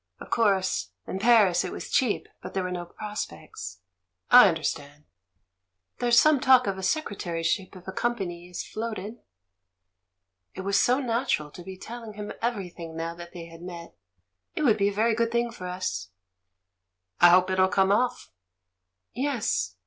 Of course, in Paris it was cheap, but there were no prospects." "I understand." "There's some talk of a secretaryship if a company is floated." It was so natural to be telling him everything now they had met. "It would be a very good thing for us." "I hope it'll come off." "Yes. .